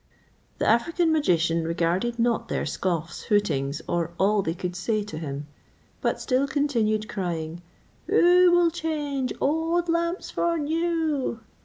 The African magician regarded not their scoffs, hootings, or all they could say to him, but still continued crying, "Who will change old lamps for new?"